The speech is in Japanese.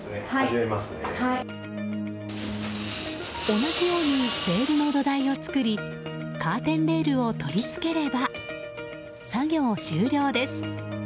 同じようにレールの土台を作りカーテンレールを取り付ければ作業終了です。